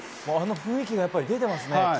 雰囲気が出ていますね。